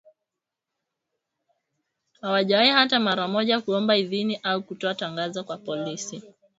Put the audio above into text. Hawajawahi hata mara moja kuomba idhini au kutoa tangazo kwa polisi